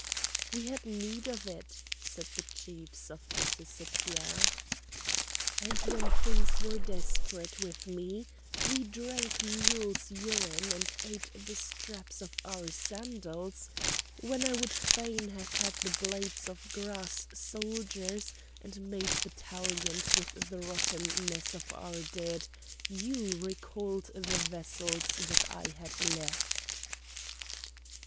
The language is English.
"We had need of it," said the chiefs of the Syssitia. "And when things were desperate with me—we drank mules' urine and ate the straps of our sandals; when I would fain have had the blades of grass soldiers and made battalions with the rottenness of our dead, you recalled the vessels that I had left!"